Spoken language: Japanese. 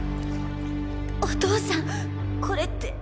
お父さんこれって。